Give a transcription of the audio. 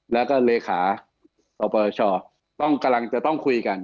แล้วก็เลขาปปชต้องกำลังจะต้องคุยกัน